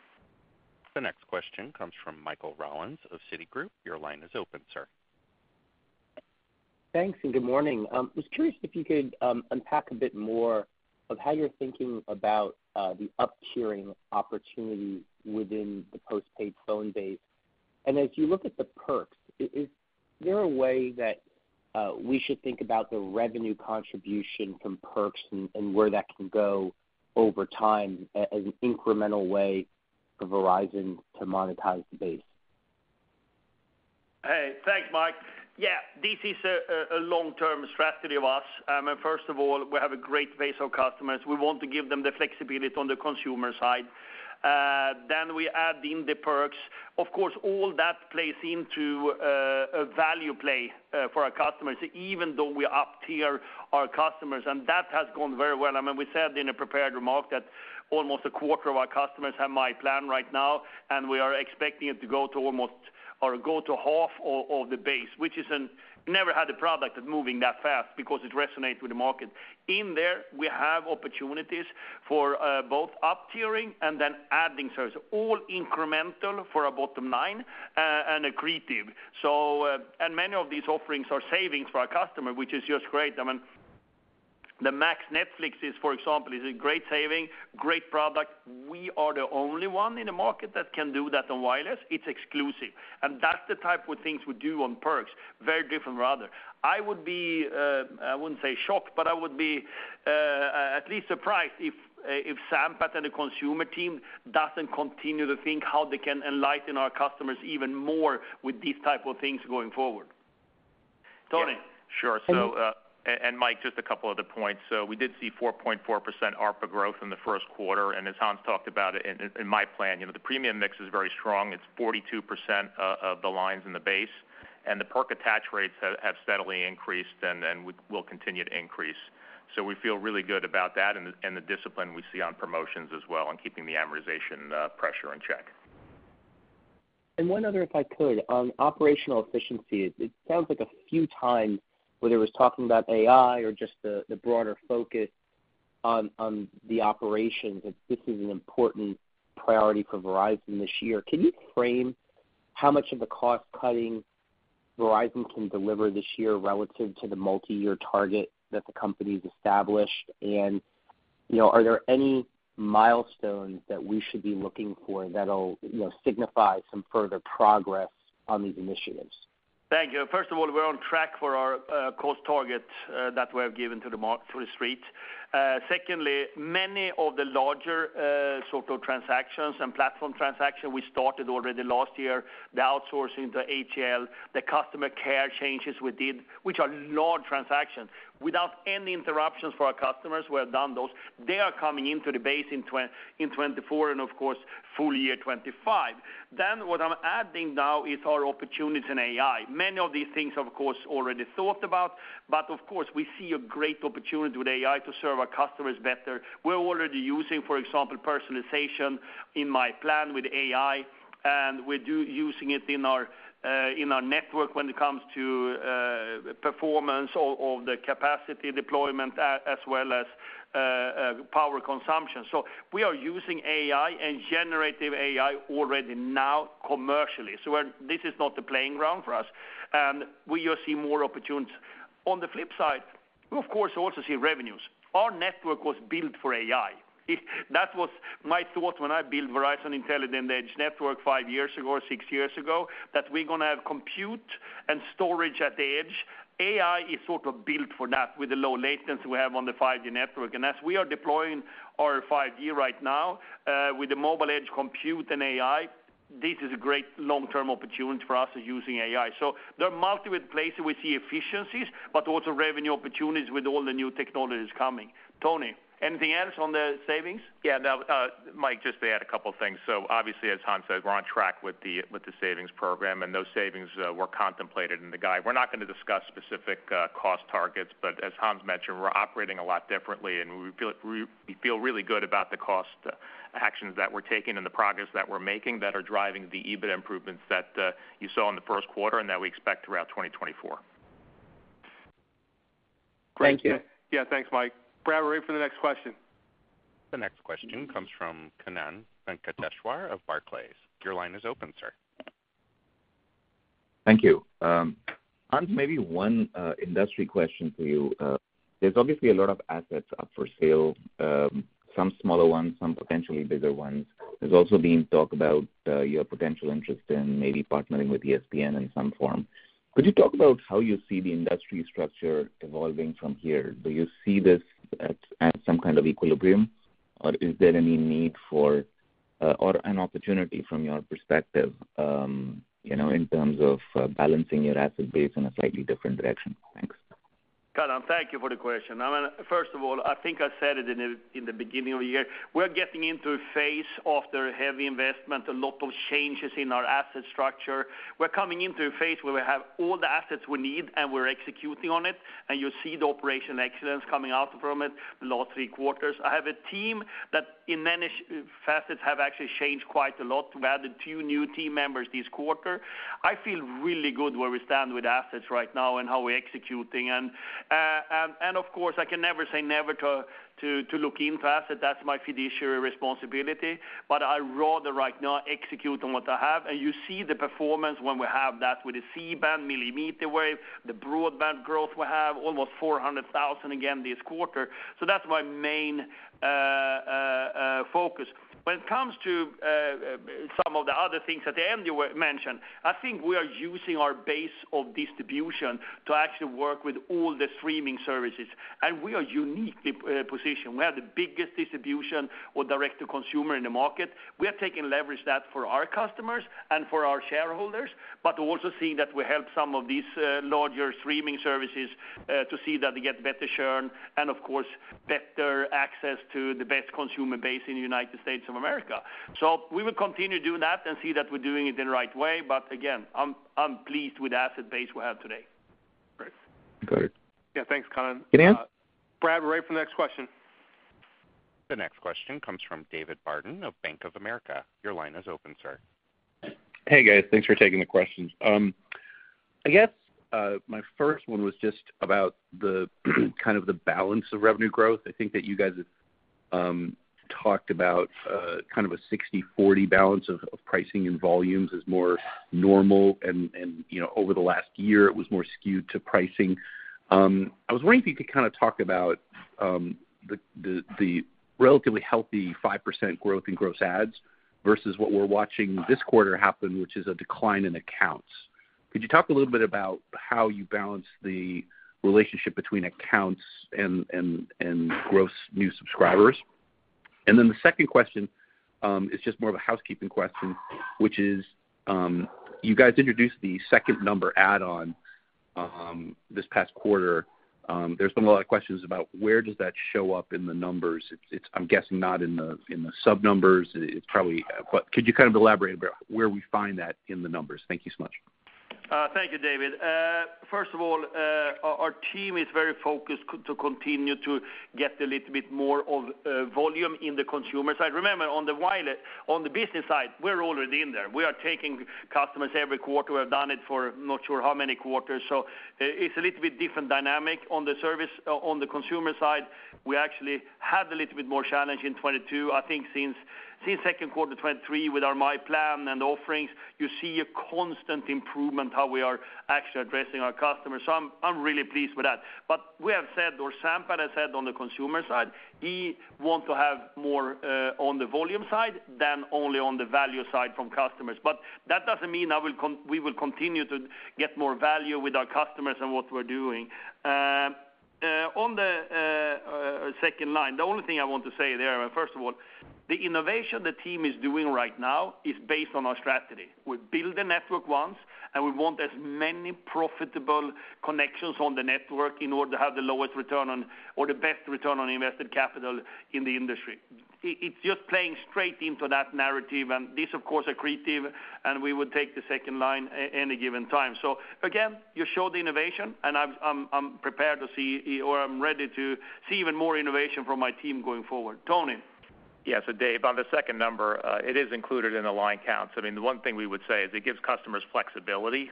Speaker 1: The next question comes from Michael Rollins of Citigroup. Your line is open, sir.
Speaker 7: Thanks, and good morning. I was curious if you could unpack a bit more of how you're thinking about the up-tiering opportunity within the postpaid phone base. And as you look at the perks, is there a way that we should think about the revenue contribution from perks and where that can go over time as an incremental way for Verizon to monetize the base?
Speaker 3: Hey, thanks, Mike. Yeah, this is a long-term strategy of us. And first of all, we have a great base of customers. We want to give them the flexibility on the consumer side. Then we add in the perks. Of course, all that plays into a value play for our customers, even though we up-tier our customers, and that has gone very well. I mean, we said in a prepared remark that almost a quarter of our customers have myPlan right now, and we are expecting it to go to almost or go to half of the base, which is never had a product that's moving that fast because it resonates with the market. In there, we have opportunities for both up-tiering and then adding service, all incremental for our bottom line, and accretive. So, and many of these offerings are savings for our customer, which is just great. I mean, the Max Netflix is, for example, is a great saving, great product. We are the only one in the market that can do that on wireless. It's exclusive, and that's the type of things we do on perks. Very different rather. I would be, I wouldn't say shocked, but I would be, at least surprised if, if Sampath and the consumer team doesn't continue to think how they can enlighten our customers even more with these type of things going forward. Tony?
Speaker 4: Sure. So, and Mike, just a couple other points. So we did see 4.4% ARPA growth in the first quarter, and as Hans talked about it in myPlan, you know, the premium mix is very strong. It's 42% of the lines in the base, and the perk attach rates have steadily increased and will continue to increase. So we feel really good about that and the discipline we see on promotions as well and keeping the amortization pressure in check.
Speaker 7: And one other, if I could. On operational efficiency, it sounds like a few times, whether it was talking about AI or just the broader focus on operations, that this is an important priority for Verizon this year. Can you frame how much of the cost cutting Verizon can deliver this year relative to the multiyear target that the company's established? And, you know, are there any milestones that we should be looking for that'll, you know, signify some further progress on these initiatives?
Speaker 3: Thank you. First of all, we're on track for our cost target that we have given to the market to the street. Secondly, many of the larger sort of transactions and platform transactions we started already last year, the outsourcing, the HCL, the customer care changes we did, which are large transactions. Without any interruptions for our customers, we have done those. They are coming into the base in 2024, and of course, full year 2025. Then what I'm adding now is our opportunities in AI. Many of these things, of course, already thought about, but of course, we see a great opportunity with AI to serve our customers better. We're already using, for example, personalization in myPlan with AI, and we do using it in our in our network when it comes to performance or the capacity deployment as well as power consumption. So we are using AI and generative AI already now commercially. So we're, this is not the playground for us, and we will see more opportunities. On the flip side, we, of course, also see revenues. Our network was built for AI. That was my thought when I built Verizon Intelligent Edge Network 5 years ago, or 6 years ago, that we're gonna have compute and storage at the edge. AI is sort of built for that, with the low latency we have on the 5G network. As we are deploying our 5G right now with the Mobile Edge Compute and AI, this is a great long-term opportunity for us using AI. So there are multiple places we see efficiencies, but also revenue opportunities with all the new technologies coming. Tony, anything else on the savings?
Speaker 4: Yeah, Mike, just to add a couple of things. So obviously, as Hans said, we're on track with the savings program, and those savings were contemplated in the guide. We're not gonna discuss specific cost targets, but as Hans mentioned, we're operating a lot differently, and we feel really good about the cost actions that we're taking and the progress that we're making that are driving the EBIT improvements that you saw in the first quarter and that we expect throughout 2024.
Speaker 7: Thank you.
Speaker 4: Yeah, thanks, Mike. Brad, we're ready for the next question.
Speaker 1: The next question comes from Kannan Venkateshwar of Barclays. Your line is open, sir.
Speaker 8: Thank you. Hans, maybe one, industry question for you. There's obviously a lot of assets up for sale, some smaller ones, some potentially bigger ones. There's also been talk about your potential interest in maybe partnering with ESPN in some form. Could you talk about how you see the industry structure evolving from here? Do you see this at some kind of equilibrium, or is there any need for, or an opportunity from your perspective, you know, in terms of, balancing your asset base in a slightly different direction? Thanks.
Speaker 3: Kannan, thank you for the question. I mean, first of all, I think I said it in the beginning of the year. We're getting into a phase after heavy investment, a lot of changes in our asset structure. We're coming into a phase where we have all the assets we need, and we're executing on it, and you see the operational excellence coming out from it the last three quarters. I have a team that, in many facets, have actually changed quite a lot. We've added two new team members this quarter. I feel really good where we stand with assets right now and how we're executing. And, of course, I can never say never to look into asset. That's my fiduciary responsibility. But I rather right now execute on what I have, and you see the performance when we have that with the C-Band, Millimeter Wave, the broadband growth; we have almost 400,000 again this quarter. So that's my main focus. When it comes to some of the other things at the end you mentioned, I think we are using our base of distribution to actually work with all the streaming services, and we are uniquely positioned. We have the biggest distribution of direct to consumer in the market. We are taking leverage that for our customers and for our shareholders, but also seeing that we help some of these larger streaming services to see that they get better churn and, of course, better access to the best consumer base in the United States of America. So we will continue doing that and see that we're doing it in the right way. But again, I'm pleased with the asset base we have today.
Speaker 8: Great. Got it.
Speaker 4: Yeah, thanks, Kannan.
Speaker 1: Kannan?
Speaker 4: Brad, we're ready for the next question.
Speaker 1: The next question comes from David Barden of Bank of America. Your line is open, sir.
Speaker 9: Hey, guys. Thanks for taking the questions. I guess my first one was just about the kind of the balance of revenue growth. I think that you guys have talked about kind of a 60/40 balance of pricing and volumes as more normal, and you know, over the last year, it was more skewed to pricing. I was wondering if you could kind of talk about the relatively healthy 5% growth in gross adds versus what we're watching this quarter happen, which is a decline in accounts. Could you talk a little bit about how you balance the relationship between accounts and gross new subscribers? And then the second question is just more of a housekeeping question, which is you guys introduced the Second Number add-on this past quarter. There's been a lot of questions about where does that show up in the numbers? It's, I'm guessing, not in the sub numbers. It's probably... But could you kind of elaborate about where we find that in the numbers? Thank you so much.
Speaker 3: Thank you, David. First of all, our team is very focused to continue to get a little bit more of volume in the consumer side. Remember, on the wireless, on the business side, we're already in there. We are taking customers every quarter. We have done it for not sure how many quarters, so it's a little bit different dynamic. On the service, on the consumer side, we actually had a little bit more challenge in 2022. I think since second quarter 2023, with our myPlan and offerings, you see a constant improvement, how we are actually addressing our customers. So I'm really pleased with that. But we have said, or Sampath has said on the consumer side, he want to have more on the volume side than only on the value side from customers. But that doesn't mean we will continue to get more value with our customers and what we're doing. On the second line, the only thing I want to say there, and first of all, the innovation the team is doing right now is based on our strategy. We build the network once, and we want as many profitable connections on the network in order to have the lowest return on or the best return on invested capital in the industry. It's just playing straight into that narrative, and this, of course, accretive, and we would take the second line at any given time. So again, you show the innovation, and I'm prepared to see or I'm ready to see even more innovation from my team going forward. Tony?
Speaker 4: Yes, Dave, on the Second Number, it is included in the line count. So I mean, the one thing we would say is it gives customers flexibility.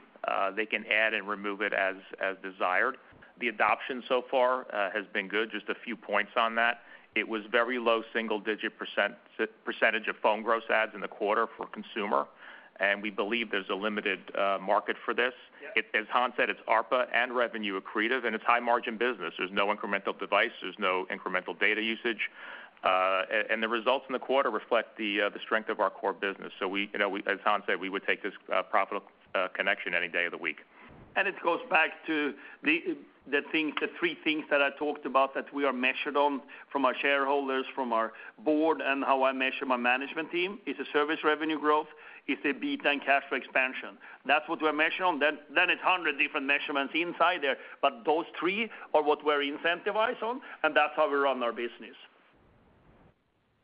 Speaker 4: They can add and remove it as, as desired. The adoption so far has been good. Just a few points on that. It was very low single-digit percentage of phone gross adds in the quarter for consumer, and we believe there's a limited market for this.
Speaker 3: Yeah.
Speaker 4: As Hans said, it's ARPA and revenue accretive, and it's high margin business. There's no incremental device, there's no incremental data usage. And the results in the quarter reflect the strength of our core business. So we, you know, as Hans said, we would take this profitable connection any day of the week.
Speaker 3: It goes back to the, the things, the three things that I talked about that we are measured on from our shareholders, from our Board, and how I measure my management team, is the service revenue growth, is the EBITDA cash flow expansion. That's what we're measured on. Then it's hundred different measurements inside there, but those three are what we're incentivized on, and that's how we run our business.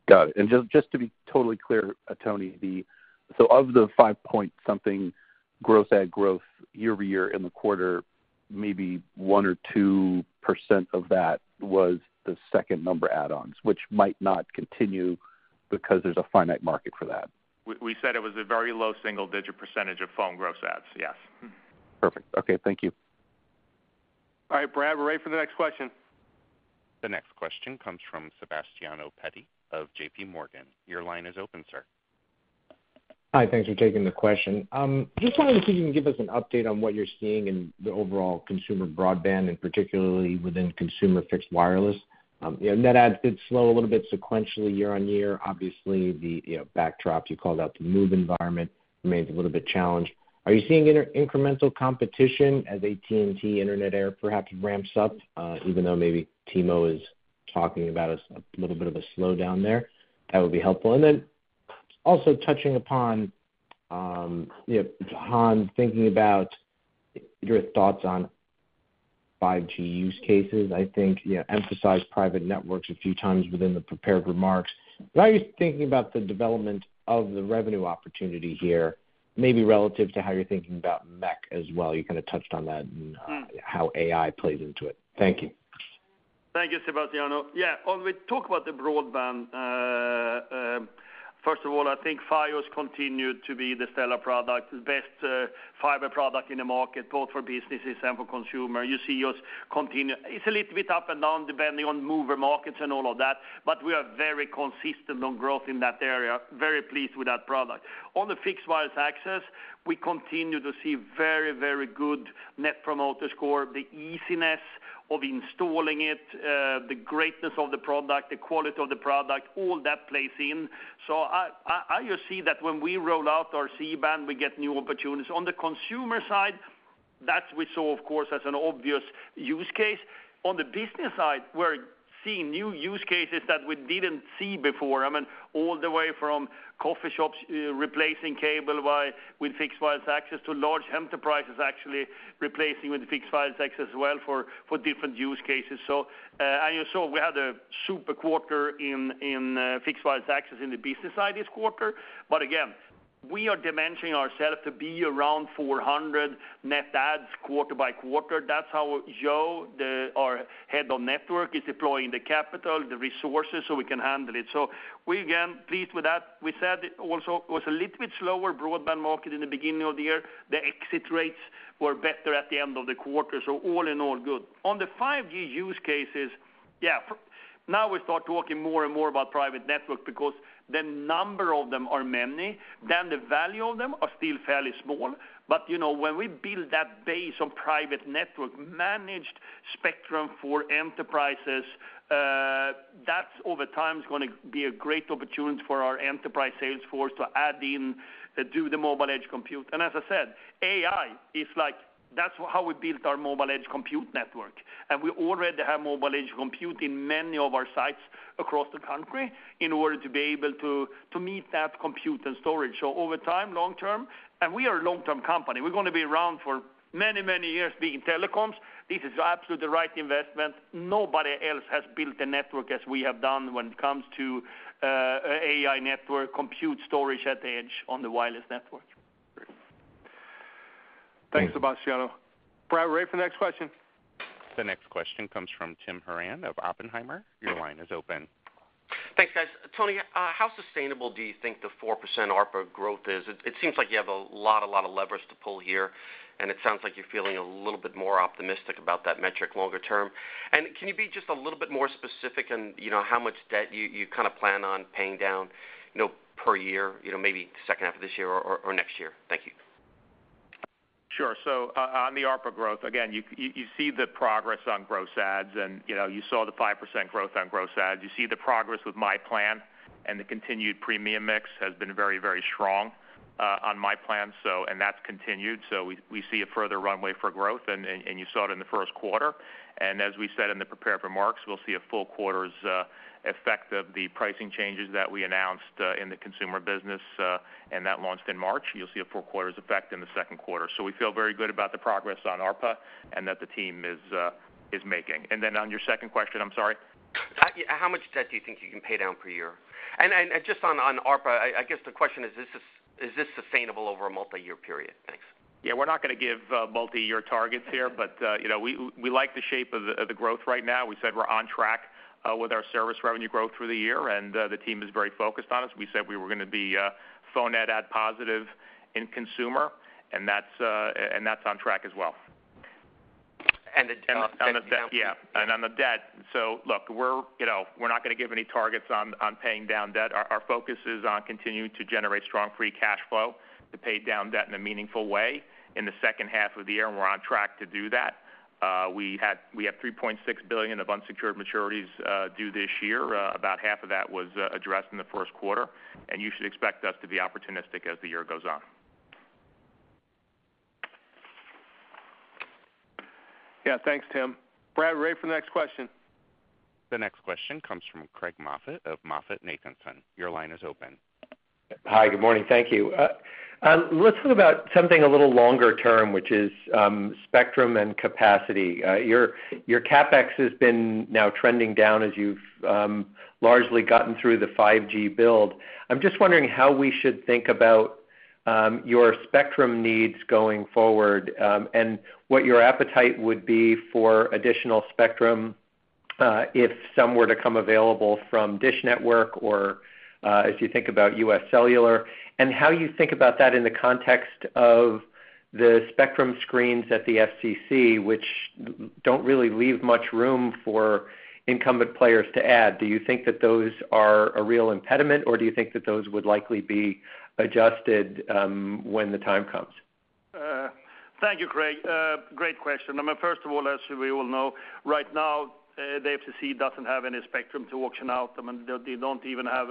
Speaker 9: Got it. Just, just to be totally clear, Tony, the... So of the 5-point-something growth, add growth year-over-year in the quarter, maybe 1 or 2% of that was the Second Number add-ons, which might not continue because there's a finite market for that.
Speaker 4: We said it was a very low single-digit percentage of phone gross adds, yes.
Speaker 9: Perfect. Okay, thank you.
Speaker 4: All right, Brad, we're ready for the next question.
Speaker 1: The next question comes from Sebastiano Petti of JPMorgan. Your line is open, sir.
Speaker 10: Hi, thanks for taking the question. Just wondering if you can give us an update on what you're seeing in the overall consumer broadband, and particularly within consumer fixed wireless. You know, net adds did slow a little bit sequentially, year-on-year. Obviously, the backdrop you called out the macro environment remains a little bit challenged. Are you seeing any incremental competition as AT&T Internet Air perhaps ramps up, even though maybe T-Mobile is talking about a little bit of a slowdown there? That would be helpful. And then also touching upon, you know, Hans, thinking about your thoughts on 5G use cases, I think, you know, emphasize private networks a few times within the prepared remarks. How are you thinking about the development of the revenue opportunity here, maybe relative to how you're thinking about MEC as well? You kinda touched on that and-
Speaker 3: Mm
Speaker 10: how AI plays into it. Thank you.
Speaker 3: Thank you, Sebastiano. Yeah, when we talk about the broadband, first of all, I think Fios continued to be the stellar product, the best, fiber product in the market, both for businesses and for consumer. You see us continue- it's a little bit up and down, depending on mover markets and all of that, but we are very consistent on growth in that area. Very pleased with that product. On the Fixed Wireless Access, we continue to see very, very good Net Promoter Score, the easiness of installing it, the greatness of the product, the quality of the product, all that plays in. So I just see that when we roll out our C-Band, we get new opportunities. On the consumer side, that we saw, of course, as an obvious use case. On the business side, we're seeing new use cases that we didn't see before. I mean, all the way from coffee shops, replacing cable wire with fixed wireless access to large enterprises, actually replacing with fixed wireless access as well for different use cases. So, and you saw we had a super quarter in fixed wireless access in the business side this quarter. But again, we are dimensioning ourselves to be around 400 net adds quarter by quarter. That's how Joe, our head of network, is deploying the capital, the resources, so we can handle it. So we, again, pleased with that. We said it also was a little bit slower broadband market in the beginning of the year. The exit rates were better at the end of the quarter, so all in all, good. On the 5G use cases, yeah, for now we start talking more and more about private networks because the number of them are many, then the value of them are still fairly small. But, you know, when we build that base on private network, managed spectrum for enterprises, that, over time, is gonna be a great opportunity for our enterprise sales force to add in, do the mobile edge compute. And as I said, AI is like, that's how we built our mobile edge compute network. And we already have mobile edge compute in many of our sites across the country in order to be able to, to meet that compute and storage. So over time, long term, and we are a long-term company, we're gonna be around for many, many years being telecoms. This is absolutely the right investment. Nobody else has built a network as we have done when it comes to an AI network, compute storage at the edge on the wireless network.
Speaker 4: Thanks, Sebastiano. Brad, we're ready for the next question.
Speaker 1: The next question comes from Tim Horan of Oppenheimer. Your line is open.
Speaker 11: Thanks, guys. Tony, how sustainable do you think the 4% ARPA growth is? It seems like you have a lot of levers to pull here, and it sounds like you're feeling a little bit more optimistic about that metric longer term. Can you be just a little bit more specific in, you know, how much debt you kinda plan on paying down, you know, per year, you know, maybe second half of this year or next year? Thank you.
Speaker 4: Sure. So on the ARPA growth, again, you see the progress on gross adds, and, you know, you saw the 5% growth on gross adds. You see the progress with myPlan, and the continued premium mix has been very, very strong on myPlan, and that's continued. We see a further runway for growth, and you saw it in the first quarter. And as we said in the prepared remarks, we'll see a full quarter's effect of the pricing changes that we announced in the consumer business, and that launched in March. You'll see a full quarter's effect in the second quarter. So we feel very good about the progress on ARPA, and that the team is making. And then on your second question, I'm sorry?
Speaker 11: How much debt do you think you can pay down per year? And just on ARPA, I guess the question: is this sustainable over a multi-year period? Thanks.
Speaker 4: Yeah, we're not gonna give multi-year targets here, but you know, we like the shape of the growth right now. We said we're on track with our service revenue growth through the year, and the team is very focused on it. We said we were gonna be phone net add positive in consumer, and that's on track as well.
Speaker 11: And the-
Speaker 4: On the debt, so look, we're, you know, we're not gonna give any targets on paying down debt. Our focus is on continuing to generate strong free cash flow to pay down debt in a meaningful way in the second half of the year, and we're on track to do that. We have $3.6 billion of unsecured maturities due this year. About half of that was addressed in the first quarter, and you should expect us to be opportunistic as the year goes on.
Speaker 2: Yeah, thanks, Tim. Brad, ready for the next question?
Speaker 1: The next question comes from Craig Moffett of MoffettNathanson. Your line is open.
Speaker 12: Hi, good morning. Thank you. Let's talk about something a little longer term, which is, spectrum and capacity. Your CapEx has been now trending down as you've largely gotten through the 5G build. I'm just wondering how we should think about your spectrum needs going forward, and what your appetite would be for additional spectrum, if some were to come available from DISH Network or, as you think about UScellular. And how you think about that in the context of the spectrum screens at the FCC, which don't really leave much room for incumbent players to add. Do you think that those are a real impediment, or do you think that those would likely be adjusted, when the time comes?
Speaker 3: Thank you, Craig. Great question. I mean, first of all, as we all know, right now, the FCC doesn't have any spectrum to auction out. I mean, they don't even have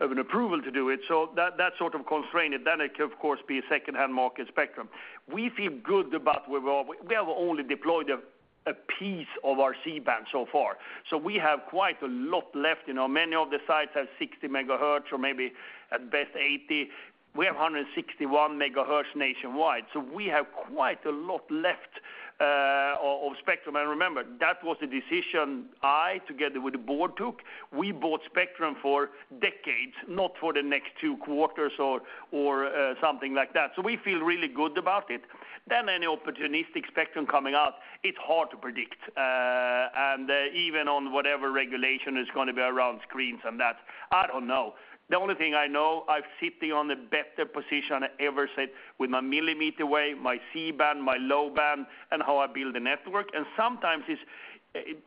Speaker 3: an approval to do it, so that sort of constrains it. Then it could, of course, be a secondhand market spectrum. We feel good about where we are. We have only deployed a piece of our C-Band so far, so we have quite a lot left. You know, many of the sites have 60 MHz or maybe at best 80. We have 161 MHz nationwide, so we have quite a lot left, of spectrum. And remember, that was a decision I, together with the board, took. We bought spectrum for decades, not for the next two quarters or, or, something like that. So we feel really good about it. Then any opportunistic spectrum coming out, it's hard to predict, and even on whatever regulation is gonna be around screens and that, I don't know. The only thing I know, I'm sitting on the better position I ever sit with my Millimeter Wave, my C-Band, my low band, and how I build the network. And sometimes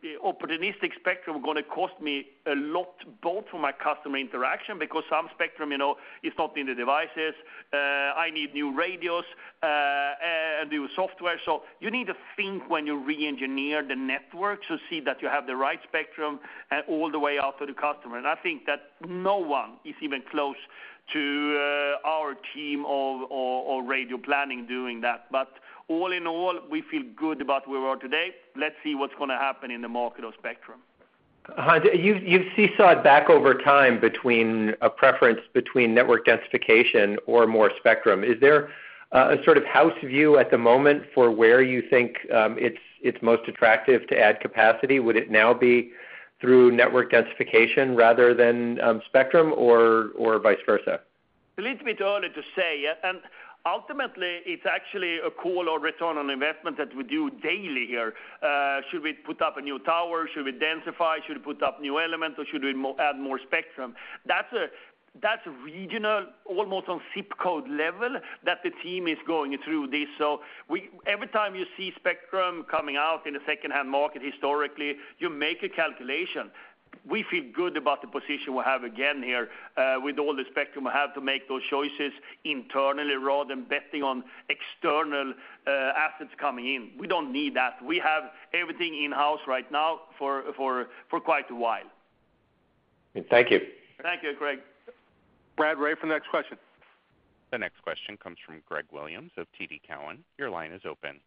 Speaker 3: this opportunistic spectrum gonna cost me a lot, both for my customer interaction, because some spectrum, you know, is not in the devices. I need new radios and new software. So you need to think when you re-engineer the network to see that you have the right spectrum all the way out to the customer. And I think that no one is even close to our team of radio planning doing that. All in all, we feel good about where we are today. Let's see what's gonna happen in the market of spectrum.
Speaker 12: Hans, you've seesawed back over time between a preference between network densification or more spectrum. Is there a sort of house view at the moment for where you think it's most attractive to add capacity? Would it now be through network densification rather than spectrum or vice versa?
Speaker 3: A little bit early to say, yeah, and ultimately, it's actually a call or return on investment that we do daily here. Should we put up a new tower? Should we densify? Should we put up new elements, or should we add more spectrum? That's regional, almost on ZIP code level, that the team is going through this. So every time you see spectrum coming out in the secondhand market historically, you make a calculation. We feel good about the position we have again here with all the spectrum we have to make those choices internally rather than betting on external assets coming in. We don't need that. We have everything in-house right now for quite a while.
Speaker 12: Thank you.
Speaker 3: Thank you, Craig.
Speaker 2: Brad, ready for the next question.
Speaker 1: The next question comes from Greg Williams of TD Cowen. Your line is open.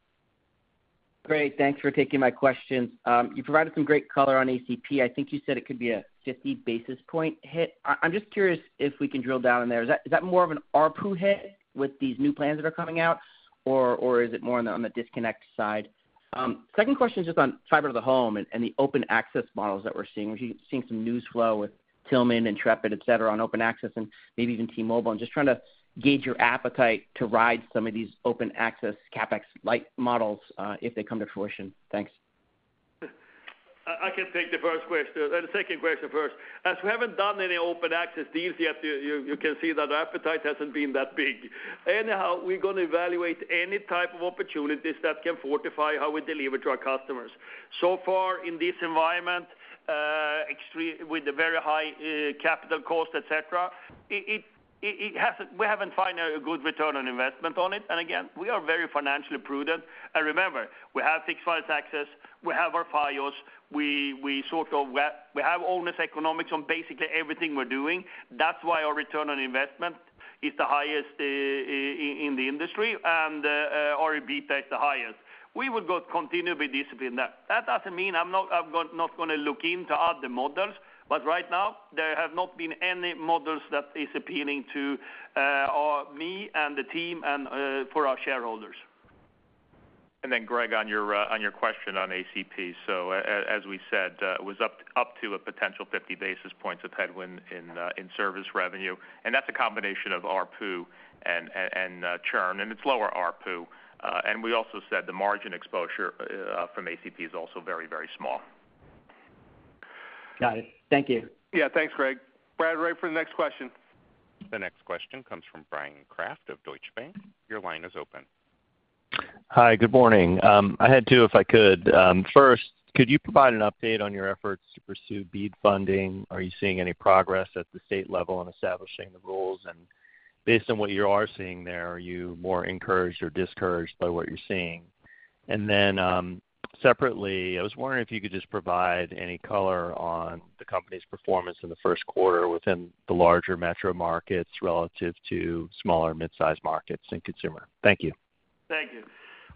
Speaker 13: Greg, thanks for taking my questions. You provided some great color on ACP. I think you said it could be a 50 basis point hit. I'm just curious if we can drill down in there. Is that, is that more of an ARPU hit with these new plans that are coming out, or, or is it more on the, on the disconnect side? Second question is just on fiber to the home and, and the open access models that we're seeing. We're seeing some news flow with Tillman, Intrepid, et cetera, on open access and maybe even T-Mobile. I'm just trying to gauge your appetite to ride some of these open access CapEx-like models, if they come to fruition. Thanks.
Speaker 3: I can take the first question, the second question first. As we haven't done any open access deals yet, you can see that our appetite hasn't been that big. Anyhow, we're gonna evaluate any type of opportunities that can fortify how we deliver to our customers. So far, in this environment, extreme with the very high capital cost, et cetera, it hasn't—we haven't found a good return on investment on it. And again, we are very financially prudent. And remember, we have fixed wireless access, we have our Fios, we sort of have our own economics on basically everything we're doing. That's why our return on investment is the highest in the industry, and our EBITDA is the highest. We will continue to be disciplined in that. That doesn't mean I'm not gonna look into other models, but right now, there have not been any models that is appealing to or me and the team and for our shareholders.
Speaker 4: And then, Greg, on your question on ACP. So as we said, it was up to a potential 50 basis points of headwind in service revenue, and that's a combination of ARPU and churn, and it's lower ARPU. And we also said the margin exposure from ACP is also very, very small.
Speaker 13: Got it. Thank you.
Speaker 2: Yeah. Thanks, Greg. Brad, ready for the next question.
Speaker 1: The next question comes from Bryan Kraft of Deutsche Bank. Your line is open.
Speaker 14: Hi, good morning. I had two, if I could. First, could you provide an update on your efforts to pursue BEAD funding? Are you seeing any progress at the state level on establishing the rules? And based on what you are seeing there, are you more encouraged or discouraged by what you're seeing? And then, separately, I was wondering if you could just provide any color on the company's performance in the first quarter within the larger metro markets relative to smaller mid-sized markets and consumer. Thank you.
Speaker 3: Thank you.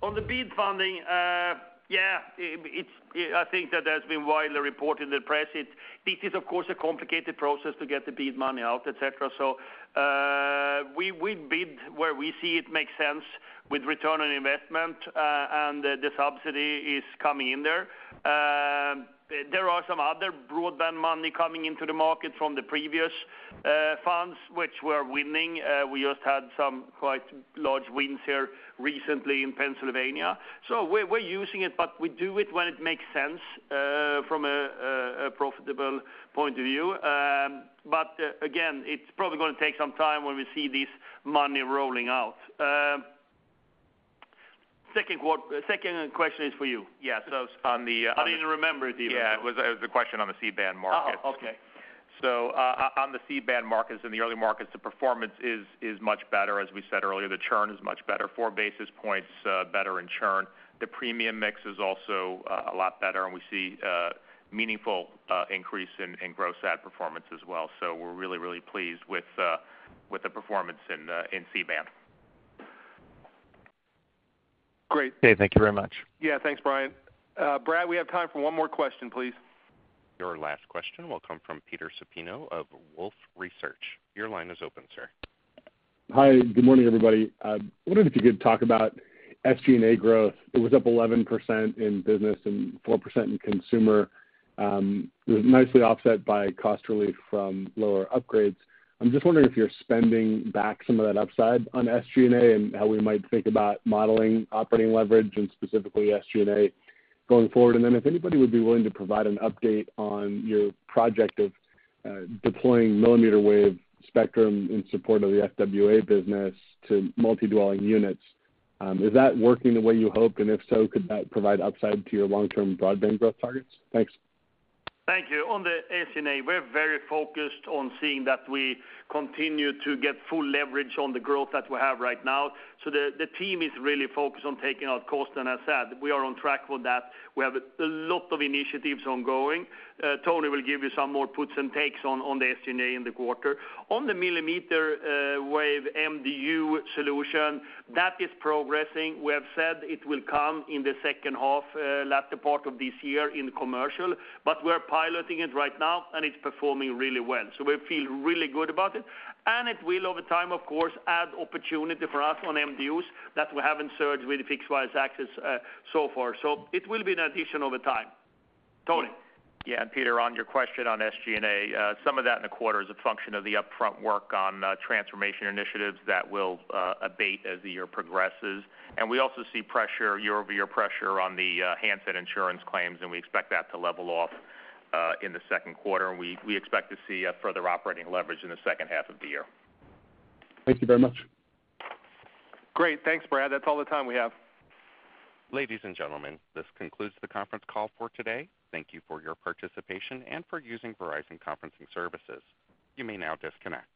Speaker 3: On the BEAD funding, I think that has been widely reported in the press. This is, of course, a complicated process to get the BEAD money out, et cetera. So, we bid where we see it makes sense with return on investment, and the subsidy is coming in there. There are some other broadband money coming into the market from the previous funds which we're winning. We just had some quite large wins here recently in Pennsylvania. So we're using it, but we do it when it makes sense from a profitable point of view. But again, it's probably gonna take some time when we see this money rolling out. Second quarter... Second question is for you.
Speaker 4: Yes, on the-
Speaker 3: I didn't remember it even.
Speaker 4: Yeah, it was, it was the question on the C-Band markets.
Speaker 3: Oh, okay.
Speaker 4: So, on the C-Band markets, in the early markets, the performance is much better. As we said earlier, the churn is much better, four basis points better in churn. The premium mix is also a lot better, and we see meaningful increase in gross adds performance as well. So we're really, really pleased with the performance in the C-Band.
Speaker 14: Great. Okay, thank you very much.
Speaker 2: Yeah, thanks, Brian. Brad, we have time for one more question, please.
Speaker 1: Your last question will come from Peter Supino of Wolfe Research. Your line is open, sir.
Speaker 15: Hi, good morning, everybody. I wondered if you could talk about SG&A growth. It was up 11% in business and 4% in consumer. It was nicely offset by cost relief from lower upgrades. I'm just wondering if you're spending back some of that upside on SG&A, and how we might think about modeling operating leverage and specifically SG&A going forward. And then, if anybody would be willing to provide an update on your project of deploying millimeter wave spectrum in support of the FWA business to multi-dwelling units, is that working the way you hoped? And if so, could that provide upside to your long-term broadband growth targets? Thanks.
Speaker 3: Thank you. On the SG&A, we're very focused on seeing that we continue to get full leverage on the growth that we have right now. So the team is really focused on taking out cost, and as said, we are on track with that. We have a lot of initiatives ongoing. Tony will give you some more puts and takes on the SG&A in the quarter. On the millimeter wave MDU solution, that is progressing. We have said it will come in the second half, latter part of this year in commercial, but we're piloting it right now, and it's performing really well. So we feel really good about it, and it will, over time, of course, add opportunity for us on MDUs that we haven't served with fixed wireless access, so far. So it will be an addition over time. Tony?
Speaker 4: Yeah, and Peter, on your question on SG&A, some of that in the quarter is a function of the upfront work on transformation initiatives that will abate as the year progresses. And we also see pressure, year-over-year pressure on the handset insurance claims, and we expect that to level off in the second quarter. We expect to see a further operating leverage in the second half of the year.
Speaker 15: Thank you very much.
Speaker 2: Great. Thanks, Brad. That's all the time we have.
Speaker 1: Ladies and gentlemen, this concludes the conference call for today. Thank you for your participation and for using Verizon Conferencing Services. You may now disconnect.